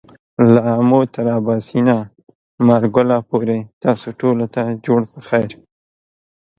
له آمو تر آباسينه ، مارګله پورې تاسو ټولو ته جوړ پخير !